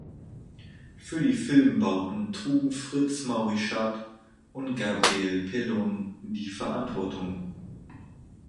Für die Filmbauten trugen Fritz Maurischat und Gabriel Pellon die Verantwortung.